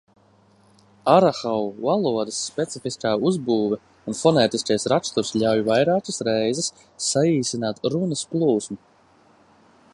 Arahau valodas specifiskā uzbūve un fonētiskais raksturs ļauj vairākas reizes saīsināt runas plūsmu.